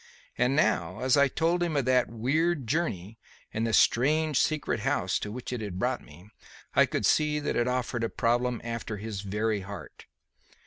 And now, as I told him of that weird journey and the strange, secret house to which it had brought me, I could see that it offered a problem after his very heart.